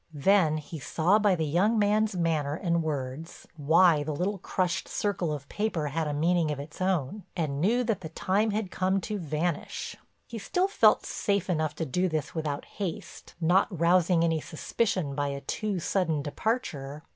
Then he saw by the young man's manner and words why the little crushed circle of paper had a meaning of its own, and knew that the time had come to vanish. He still felt safe enough to do this without haste, not rousing any suspicion by a too sudden departure.